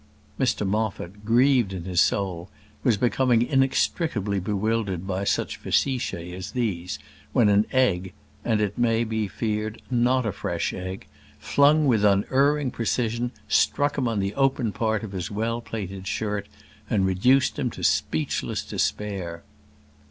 Mr Moffat, grieved in his soul, was becoming inextricably bewildered by such facetiæ as these, when an egg, and it may be feared not a fresh egg, flung with unerring precision, struck him on the open part of his well plaited shirt, and reduced him to speechless despair.